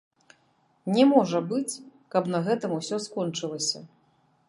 Не можа быць, каб на гэтым усё скончылася.